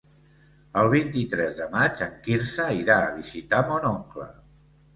El vint-i-tres de maig en Quirze irà a visitar mon oncle.